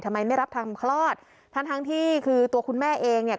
ไม่รับทำคลอดทั้งทั้งที่คือตัวคุณแม่เองเนี่ย